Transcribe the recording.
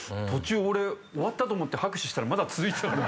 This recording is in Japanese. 途中俺終わったと思って拍手したらまだ続いてた。